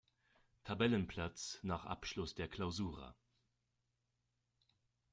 Tabellenplatz nach Abschluss der Clausura.